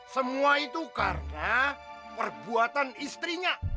semua itu karena perbuatan istrinya